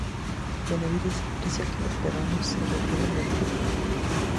Benavides aprecia que los peruanos se retiran del lugar.